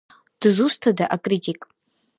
Дызусҭада акритик?